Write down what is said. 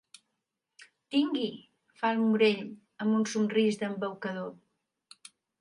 Tingui —fa el Morell, amb un somrís d'embaucador.